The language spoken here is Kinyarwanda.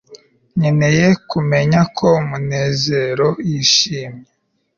nkeneye kumenya ko munezero yishimye